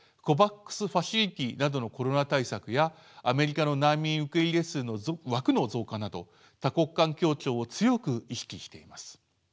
ＣＯＶＡＸファシリティなどのコロナ対策やアメリカの難民受け入れ数の枠の増加など多国間協調を強く意識しています。